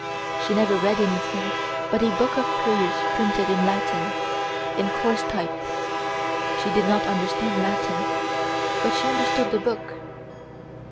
She never read anything but a book of prayers printed in Latin, in coarse type. She did not understand Latin, but she understood the book.